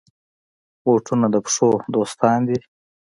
بوټونه د پښو دوستان دي.